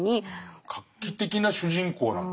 画期的な主人公なんだ。